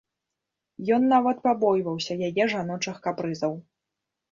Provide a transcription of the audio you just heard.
Ён нават пабойваўся яе жаночых капрызаў.